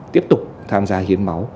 tiếp tục tham gia hiến máu